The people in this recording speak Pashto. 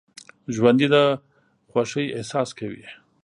ژوندي د خوښۍ احساس کوي